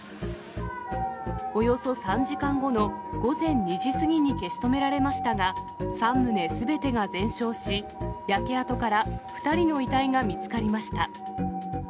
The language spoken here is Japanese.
およそ３時間後の午前２時過ぎに消し止められましたが、３棟すべてが全焼し、焼け跡から２人の遺体が見つかりました。